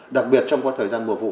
đặc biệt trong quá trình mùa vụ